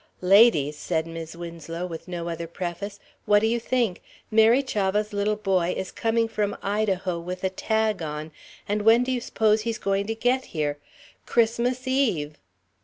"Ladies," said Mis' Winslow, with no other preface, "what do you think? Mary Chavah's little boy is coming from Idaho with a tag on, and when do you s'pose he's going to get here? Christmas Eve."